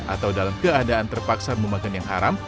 atau dalam keadaan terpaksa memakan yang haram